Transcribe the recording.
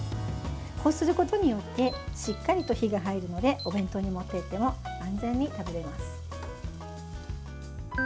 こうすることによってしっかりと火が入るのでお弁当に持っていっても安全に食べられます。